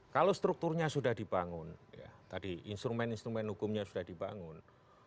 kalau strukturnya sudah dibangun tadi instrumen instrumen hukumnya sudah dibangun